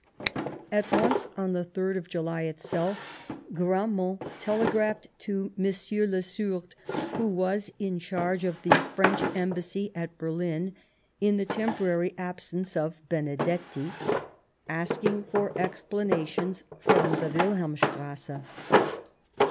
At once, on the 3rd of July itself, Gramont telegraphed to M. Le Sourd, who was in charge of the French Embassy at Berlin in the temporary absence of Benedetti, asking for explanations from the Wilhelmstrasse.